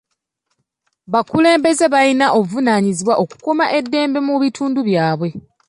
Bakulembeze balina obuvunaanyizibwa okukuuma eddembe mu bitundu byabwe.